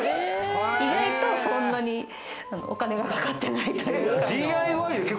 意外とそんなにお金がかかってないというか。